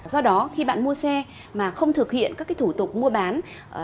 do đó khi bạn mua xe mà không thực hiện các cái thủ tục mua bán